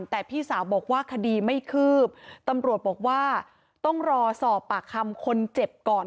แต่พี่สาวบอกว่าคดีไม่คืบตำรวจบอกว่าต้องรอสอบปากคำคนเจ็บก่อน